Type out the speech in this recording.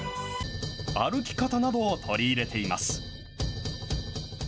歩き方などを取り入れています。